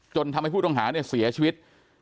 จนทำให้ผู้ต้องหาเสียชีวิต